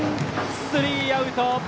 スリーアウト！